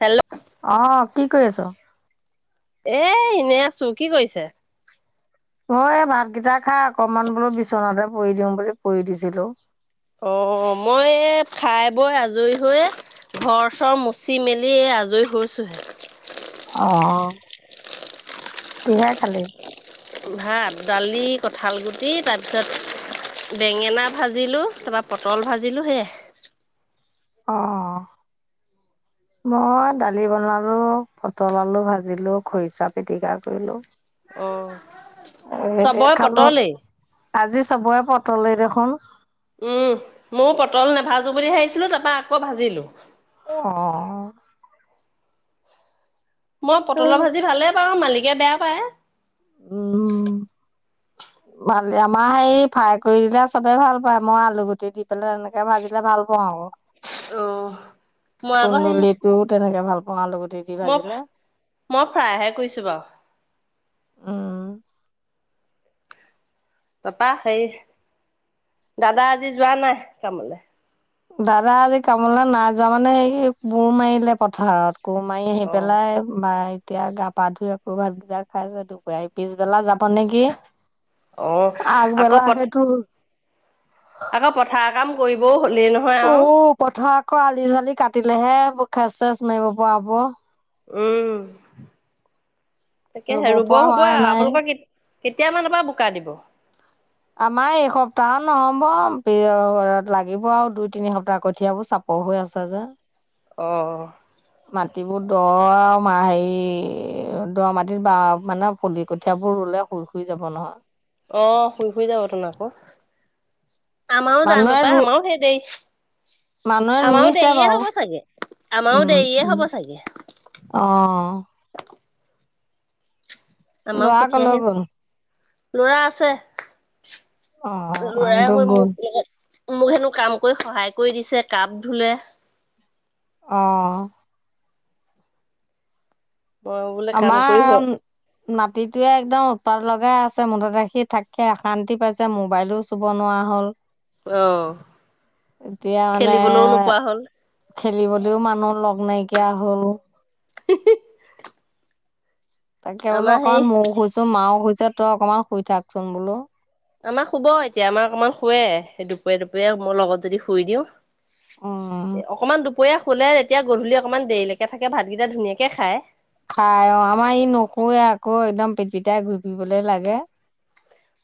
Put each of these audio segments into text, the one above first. Hello অ কি কৰি আছ এ এনেই আছো কি কৰিছে মই এই ভাতকেইটা খাই অকমান বোলো বিচনাতে পৰি দিওঁ বুলি পঢ়ি দিছিলো অ মই এই খাই বৈ আজৰি হৈয়ে ঘৰ চৰ মুচি মেলি আজৰি হৈছোহে অ কিহে খালি ভাত দালি কঁঠালগুটি তাৰপিছত বেঙেনা ভাজিলো তাপা পটল ভাজিলো সেয়াই অঁ মই দালি বনালোঁ পটল আলু ভাজিলোঁ খৰিচা পিটিকা কৰিলোঁ অঁ চবৰে খালো। পটলেই আজি চবৰে পটলেই দেখোন উম ময় পটল নেভাজো বুলি ভাবিছিলো তাৰ পৰাা আকৌ ভাজিলো অঁ মই পটলৰ ভাজি ভালে পাওঁ মালিকে বেয়া পায় উম ভাল আমাৰ হে ফ্ৰাই কৰি দিলে চবে ভাল পায় মই আলু গুটি দিম পেলাই তেনেকে ভাজিলে ভাল পাওঁ আৰু অ মই আকৌ সেই কুন্দুলিটোও তেনেকে ভাল পা মই মই ফ্ৰাই হে কৈছো বাৰু উম পাপা সেই দাদা আজি যোৱা নাই কামলৈ দাদা আজি কামলে নাই যোৱা মানে এই কুৰ মাৰিলে পথাৰত কো মাৰি আহি অ পেলাই বাই এতিয়া গা পা ধুই আকৌ ভাত পুজা খাইছে দুপ পিছবেলা যাব নেকি অ আকৌ আগবেলা পথ সেইটোৰ আকৌ পথাৰ কাম কৰিবও হ'লেই নহয় উ আৰু পথাৰ আকৌ আলি চালি কাটিলেহে খেচ চেচ মাৰিব পৰাব উম তাকে হে ৰুব পৰা হব হোৱা নাই আপোনালোকৰ কি কেতিয়ামানৰপৰা বোকা দিব আমাৰ এসপ্তাহ নহব লাগিব আৰু দুই তিনি সপ্তাহ কঠিয়াবোৰ চাব [unintelligible] অ মাটিবোৰ দ হেৰি দৰা মাটিত বা মানে ফুলি কঠিয়াবোৰ ৰুলে শুই শুই যাব নহয় অ শুই শুই যাব ত ন আকৌ আমাও যাম ৰ মানুহে পা ৰু আমাও সেই দেই মানুহে আমাৰো ৰুইছে দেৰিয়ে বাৰু হ'ব চাগে আমাৰো উম দেৰিয়ে উম হ'ব চাগে অ আমাৰও লৰা কঠিয়া কলৈ হে গ'ল লৰা আছে অ লৰাই মানুহটো হৈ গ'ল মোক মোক হেনো কাম কৰি সহায় কৰি দিছে কাপ ধুলে অ! মই বোলে কাম কৰি হ আমাৰ মাটিটয়ে একদম উৎপাৰ লগ লগা আছে মুঠত ৰাখি থাককে অশান্তি পাইছে মোবাইলোও চুব নোৱাৰা হল। অ -এতিয়া মানে খেলিবলৈও নোপোৱা হ'ল খেলিবলৈও মানুহ লগ নাইকিয়া হ'ল। [unintelligible] তাকে বোলো আমাৰ সেই অকণমান মোকো শুইছো মাও শুইছছে তই অকণমান শুই থাককচোন বোলো। আমাক শুব এতিয়া আমাৰ অকমান শুুৱে দুপৰীয়া দুপৰীয়া মই লগত যদি শুই দিওঁ, উম এ অকমান দু য়াস হলে তেতিয়া গধূলি অকণমান দেৰিলৈকে থাকে ভাতকেইটা ধুনীয়াকে খায়। খাই অ আমাৰ ই নকোৱে আকৌ একদম পেটপিটাই ঘূৰিপিবলে লাগে।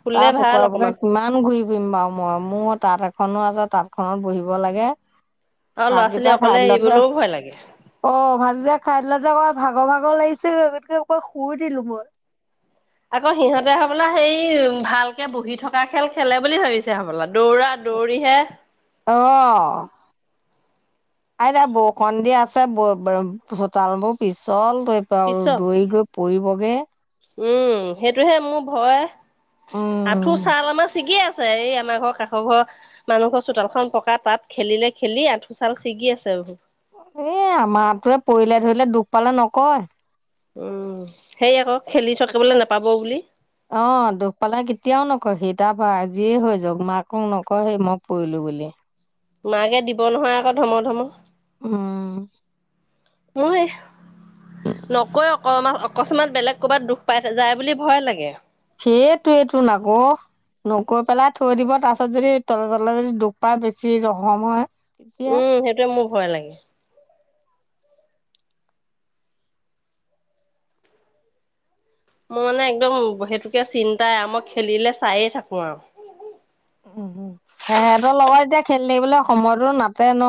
শুলে তাৰ ভাল পুকৰা পুোকৰে অকমান কিমান ঘূৰি ফুৰা বাৰু মই, মোৰ তাঁত এখনো আছে তাঁতখনত বহিব লাগে। আৰু ল'ৰা ছোৱালী ভাতকেইটা খাই অকলে লতে এৰিবলৈও ভয় লাগে অ ভাতকেইটা খাই লতে ক, ভাগৰ ভাগৰ লাগিছে গতিকে ক শুই দিলো মই, আকৌ সিহঁতে হবলা সেই ভালকে বহি থকা খেল খেলে বুলি ভাবিছে হবলা দৌৰা দৌৰী হে অ আতিয়া বৰষুণ দিিয় আছে ব চোতাল বোৰ পিছল। আৰু পিছত দৌৰি গৈ পৰিবগৈ, উম সেইটোহে মোৰ ভয় আঁঠু উম ছাল আমাৰ ছিগি আছে, আ এই আমাৰ ঘৰ কাষৰ ঘৰ মানুহ ঘৰ চোতালখন পকা তাত খেলিলে খেলি আঁঠোচাল ছিগি আছে বহু, এ আমাৰটোৱে পৰিলে ধৰিলে দুখ পালে নকয়। উম সেই আকৌ খেলি থাকিবলৈ নাপাব বুলি। অ দুখ পালে কেতিয়াও নকয় সি তাৰ পৰা আজিয়ে হৈ যওক মাকক নকয় সেই মই পৰিলো। [inaudible] মাকে দিব নহয় আকৌ ধম ধম। উম! ম নকৈ অকমান অকস্মাত বেলেগ ক'বাত দুখ পাই যায় বুলি ভয় লাগে। সেইটোৱেইটো নক নকৈ পেলাই থৈ দিব তাৰ পিছত যদি তল তলে যদি দু পাই বেছি জখম হয়। তেতিয়া উম সেইটে মোৰ ভয় লাগে। মোৰ মানে একদম সেইটোকে চিন্তাই আৰু মই খেলিলে চায়ে থাকো আৰু উম উম সিহতৰ লগত এতিয়া খেলি থাকিবলৈ সময়তো নাতে ন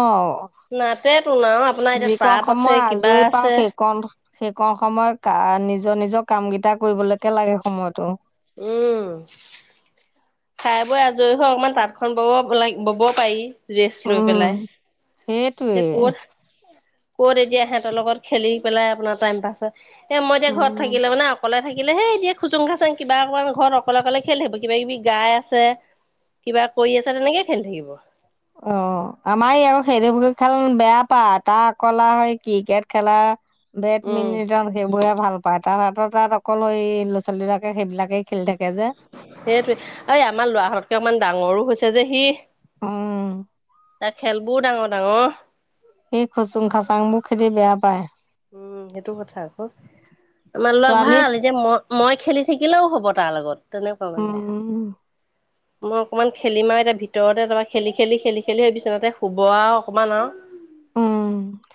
নাতে তোন আৰু আপোনাৰ এতিয়া যিকণ তাঁত আছে সময় কিবা আজৰি পাও আছে সেইকণ সেই কন সময়ত নিজৰ নিজৰ কাম গ এটা কৰিবলৈকে লাগে সময়তটো উম। খাই বৈ আজৰি হৈ অকমান তাঁতখন বব লাগ বব পাৰি ৰেষ্ট লৈ উম পেলাই, স সেইটোৱে ক'ত কত এতিয়া সিহতৰ লগত খেলি পেলাই আপোনাৰ টাইম পাছত এ মই এতিয়া ঘৰত উম থাকিলে মানে অকলে থাকিল, থাকিলে সেই এতিয়াে খুচুং খাচাং কিবা অকমান ঘৰত অকলে অকলে খেল থাকিব কিবা কিবি গাই আছে। কিবা কৰি আছা তেনেকে খেলি থাকিব। অ আমাৰ আকৌ সেইটো খেল বেয়া পা তাৰ অকলা হয় ক্ৰিকেট খেলা, উম। বেডমিণ্টন সেইবোৰ, ভাল পাই তাত আাত তাত অকল এই ল'ৰা ছোৱালী বিলাকে সেইবিলাকেই খেলি থাকে যে, সেইটোৱে এই আমাৰ লৰাহঁতকে অমান ডাঙৰো হৈছে যে সি, আহ! তাৰ খেলবোৰ ডাঙৰ ডাঙৰ স খুচুং খাচাং মোক খেদি বেয়া পায়। উম সেইটো কথা আকৌ আমাৰ লগ ছোৱালী ভাল মই মই খেলি থাকিলেও হ'ব তাৰ লগত। তেনেকুৱা মানে। উম মই অকমান খেলিম আৰু এতিয়া ভিতৰতে তাৰপা খেলি খেলি খেলি খেলি বিচনাতে শুব আৰু অকনমান আৰু উম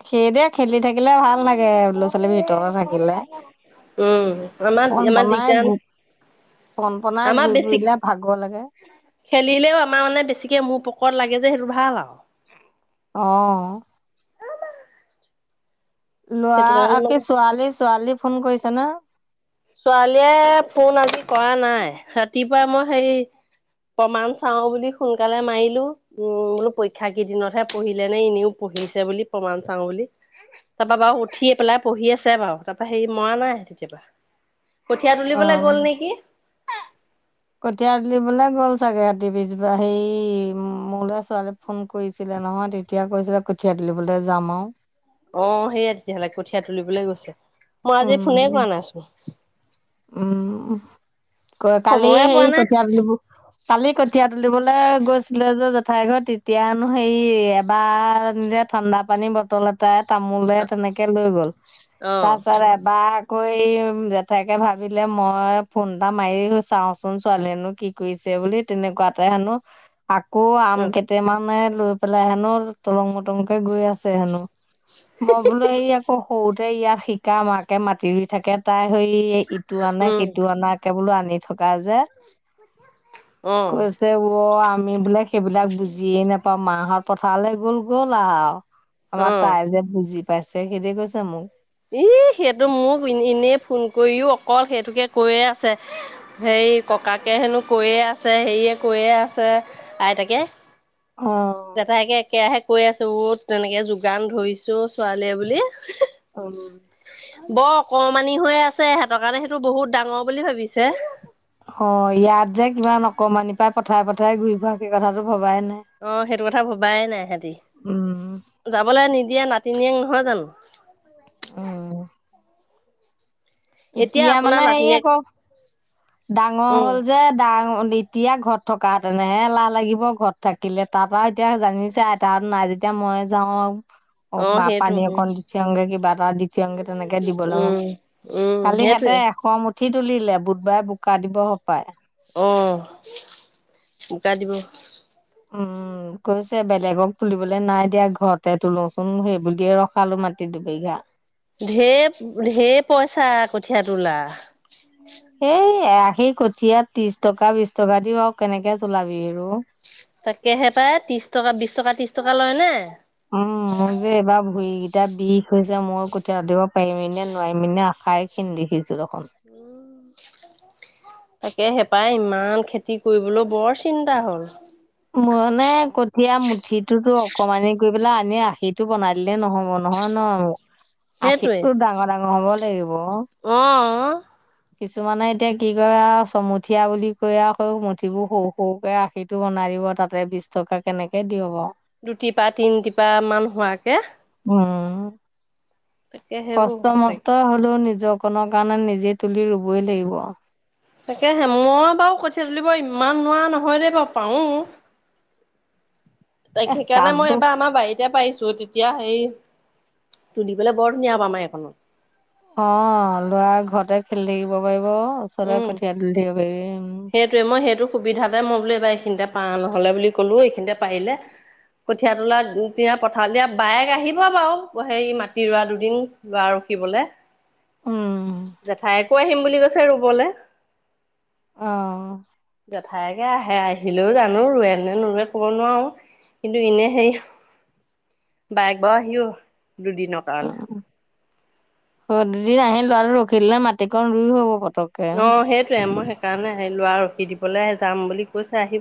সেইদে খেলি থাকিলে ভাল লাগে। হে ল'ৰা ছোৱালী ভিতৰতে থাকিলে উম আমাৰ অকমান আমাৰ বনাই দিগদাৰ গো পন পনাই আমাৰ ঘূৰি বেছি ফুৰিলে ভাগৰ লাগে। খেলিলেও আমাৰ মানে বেছিকে মোৰ পকত লাগে যে সেইটো ভাল আৰু আহ লৰা সেইটো কাৰণে আ মানে ছোৱালী ছোৱালী ফোন কৰিছে না। ছোৱালীয়ে ফোন আজি কৰা নাই ৰাতিপুৱা মই হেৰি প্ৰমাণ চাও বুলি সোনকালে মাৰিলো উম বোলো পৰীক্ষা কেইদিনতহে পঢ়িলে নে এনেও পঢ় পঢ়িছে বুলি প্ৰমাণ চাওঁ বুলি। তাৰপা বাৰু উঠিয়ে পেলাই পঢ়ি আছে বাৰু তাৰ পৰা হেৰি মৰা নাই কেতিয়াবা কঠীয়া তুলিবলৈ গ'ল নেকি? কঠিয়া তুলিবলে গ'ল চাগে ৰাতি পিছবাৰ সেই মোৰলে ছোৱালী ফোন কৰিছিলে নহয় তেতিয়া কৈছিলে কঠীয়া তুলিবলে যাম আও অ সেয়া তেতিয়াহ'লে কঠীয়া তুলিবলৈ গৈছে মই আজি ফোনে উম কৰা নাইছো উম কয় কালিয় সময়ে পোৱা সেই নাই কঠীয়া তুলিব কালি কঠীয়া তুলিব লে গৈছিলে যে জেঠাই ঘৰ তেতিয়া হেনো হেৰি এবাৰ যে ঠাণ্ডা পানী বটল এটাত তামোল তেনেকে লৈ গল অ তাৰপিছত এবাৰ আকৌ এই জেঠাইক কে ভাবিলে মই ফোন এটা মাৰি চাওঁচোন ছোৱালীনো কি কৰিছে বুলি তেনেকুৱাতে হেন নো আকৌ আম অ কেইটামানে লৈ পেলাই হেনো তলং উটংকে গৈ আছে হেনো মই বোলো এইয়া আকৌ সৰুতে ইয়াত শিকা মাকে মাতি ৰুই থাকে তাই হেই ইটো আনে সেইটো আনাে বোলো আনি কা যে উম কৈছে অ আমি বোলে সেইবিলাক বুজিয়ে নাপাওঁ মাহত পথাৰলে গ'ল গ'ল আও অ আমাৰ অ তাই যে বুজি পাইছে সেতি কৈছা মোক ই সেইটো মোক এনেই ফোন কৰিও অকল সেইটোকে কৈয়ে আছে হে এই ককাকে হেনো কৈয়ে আছে হেৰিয়ে কৈয়ে আছে আইতাকে অ জেঠাইকে একেৰাহে কৈ আছো অ তেনেকে যোগান ধৰিছে অ ছোৱালীয়ে বুলি উম বৰ ক মানি হৈ আছে সিহতৰ কাৰণ সেইটো বহুত ডাঙৰ বুলি ভাবিছে অ ইয়াত যে কিমান অকমানি পাই পথাৰে পথাৰে ঘূৰি ফুৰা সেই কথাটো ভবাই নাই। অ সেইটো কথা ভবাই নাই সেতি উম। যাবলে নিদিয়ে নাত নাতিনিয়েক নহয় জানো উম এতিয়া আপোনাৰ মানে হেই নাতিনীয়েক আক ডাঙৰ উম হ'ল যে ডাঙ এতিয়া ঘৰত থকা হেঁতেন হে এলাহ লাগিব ঘৰত থাকিলে তাত আৰু এতিয়া জানিছে আই তাহ নাই তেতিয়া মই যাওঁ আও অ সেইটো পানী উম অকন দি থংগে কিবা এটা যেনেকে তেনেকে দিব লাগ উম উম কালি সিহঁতে সেইটোৱে এশ মুঠ উঠি তুলিলে, বুধবাৰে বোকা দিব সপায়। অঁ বোকা দিব। উম। কৈছে বেলেগক তুলিবলৈ নাই দিয়া ঘৰতে তোলোচোন সেইবুলিয়ে ৰখালো মাটিৰ দুবিঘা। ঢেৰ ঢেৰ পইচা কঠীয়া তোলা। এই সেই কঠিয়াত ত্ৰিশ টকা বিশ টকা দিও আৰু কেনেকে তুলাবি অ। তাকেহে পায় ত্ৰিশ টকা বিশ টকা ত্ৰিশ টকা লয় নে? উম মোৰ যে এইবাৰ ভৰিকেইটা বিষ হৈছে মই কঁঠীয়া দিব পাৰিম নে নোৱাৰিম নে খাই খিনি দেখিছো দেখোন। তাকে হেপাই ইমান খেতি কৰিবলৈ বৰ চিন্তা হ'ল। মানে ক এতিয়া মুঠিটোতো অকমানি কৰি পেলাই আনি আখিটো বনাই দিলে নহ'ব নহয় ন'। সেইটোৱে আশিটো ডাঙৰ ডাঙৰ হ'ব লাগিব। হ কিছুমানে এতিয়া কি কৰে আৰু চমুঠীয়া বুলি কৈ আকৌ মুঠিবোৰ সৰু সৰুকে আখিটো বনাই দিব তাতে বিশ টকা কেনেকে দি হ'ব। দুটিপা তিনটিপ মান হোৱাকে। উম। তাকে সেইবোৰ কষ্ট সঁচাকে মষ্ট হ'লেওঁ নিজৰকণৰ কাৰণে নিজে তুলি ৰুবই লাগিব। তাকেহে মই বাৰু কঠিয় তলিবাৰ ইমান নোৱাৰ নহয় দে বাৰু পাওঁ। [inaudible] ত' সেইকাৰণে মই কামটো এবাৰ আমাৰ বাৰীতে পাইছো তেতিয়া সেই তোৰ দি পেলাই বৰ ধুনীয়া প মাৰ এখনত অ', ল'ৰা ঘৰতে খেলি থাকিব পাৰিব। ও চৰা উম। কঠিয়ীয়া দ দিব পাৰি, উম। সেইটোৱে মই সেইটো সুবিধাতে মই বোলো এইবাৰ এইখিনিতে পা নহ'লে বুলি ক'লো এইখিনিতে পাৰিলে। কঠীয়া তোলা পথাৰ দিয়া বাইেক আহিব বাৰু সেই মাটি ৰোৱা দুদিন আৰু কিবলে লে উম জেঠাইকো আহিম বুলি কৈছে ৰুবলৈ। অ'। তাকে আহে আহিলেও জানো ৰোৱেনে নৰুৱে ক'ব নোৱাৰো কিন্তু এনে হেৰি বাইক ব' আহিও দুদিনৰ অ কাৰণে। দুদিন আহে ল'ৰাটো ৰখিল নে মাটিকণ ৰুই হ'ব প অ', সেইটৱো মোৰ সেইকাৰণে অ', ল'ৰা ৰখি দিবলৈ যাম বুলি কৈছে আহি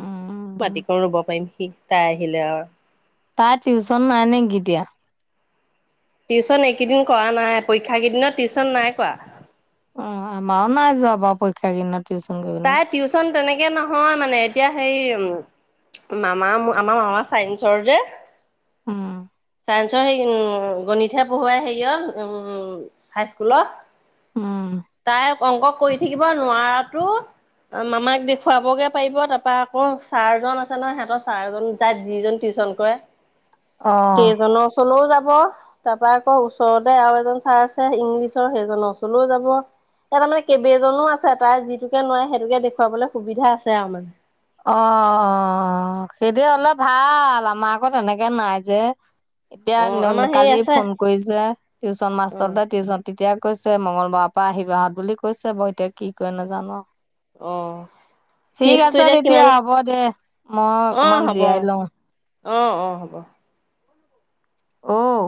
উম মাটিকো ৰুব পাৰিম সি তাই আহিলে আৰু। তাৰ টিউচন নাই নেকি এতিয়া। টিউশচন এইকেইদিন কৰা নাই পৰীক্ষা কেইদিনত টিউশচন নাই কৰা। অ', আমাৰো নাই যোৱা বাৰু পৰীক্ষা কিনা টিউচন কৰিনে। তাই টিউচন তেনেকে নহয় মানে এতিয়া হে উম। মামা আমাৰ মামা চাইন্ঞ্চৰ যেৱ উম। চাইসৰ সেই উম, গণিতহে পঢ়ুৱাই হেৰিয় উম হাইস্কুলত। উম তাই অংক কৰি থাকিব নোৱাৰাতো মামাক দেখুৱাগে পাৰিব তাৰপা আকৌ ছাৰ জন আছে নহ সিহতৰ ছাৰজন যাত যিজনী টিউচন কৰে অ সেইজনৰ ওচও যাব তাৰপা আকৌ ওচৰতে আৰু এজন ছাৰ আছে ইংলিছৰ সেইজনৰ ওচৰলৈও যাব। তাৰ মানে কেইবেজনো আছে তাই যিটোকে নোৱে সেইটোকে দেখুৱাবলৈ সুবিধা আছে আৰু মানে। অ', সেইটোৱে হ'লে ভাল আমাৰ আকৌ তেনেকে নাই যে। এতিয়া অ ন'ন আমাৰ হেৰি কালি আছে ফোন কৰিছে টিউশচন অ মাষ্টৰলে টিউশচন তেতিয়া কৈছে মংগলবাৰৰ পৰা আহিবা বুলি কৈছে মই এতিয়া কি কৰে নাজানো আৰু। অ', ফীছটো এতিয়া কি দিয়া হ'ব দে মইয়ো অকমান হ'ব জিৰাই লওঁ। অ', অ', হ'ব। অ'।